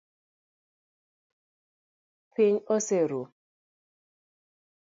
Piny oseru.